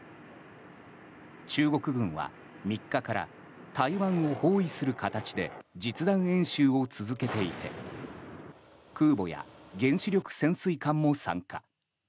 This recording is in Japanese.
中国軍は３日から台湾を包囲する形で実弾演習を続けていて空母や原子力潜水艦も参加。